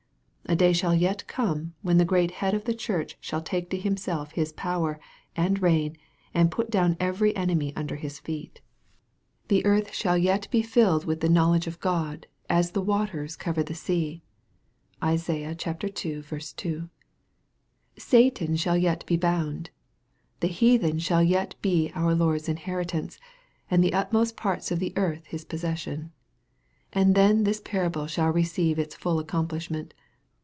A day shall yet come, when the great Head of the church shall take to Himself His power, and reign, and put down every enemy under His feet. The MARK, CHAP. IV. 81 earth shall yet be filled with the knowledge of God, as the waters cover the sea. (Isai. ii. 2.) Satan shall yet be bound. The heathen shall yet be our Lord's inheritance, and the utmost parts of the earth His possession. And then this parable shall receive its full accomplishment.